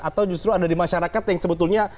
atau justru ada di masyarakat yang sebetulnya